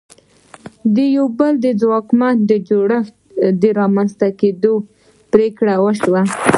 د یوه بل ځواکمن جوړښت د رامنځته کېدو پرېکړه وشوه.